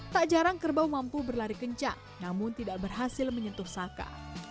tak jarang kerbau mampu berlari kencang namun tidak berhasil menyentuh saka